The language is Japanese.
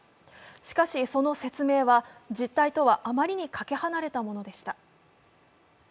しかしその説明は実態とはあまりにかけ離れたものでした。